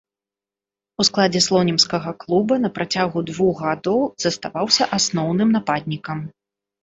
У складзе слонімскага клуба на працягу двух гадоў заставаўся асноўным нападнікам.